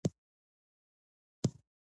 اقتصادي پریکړې د منابعو محدودیت ته پام کوي.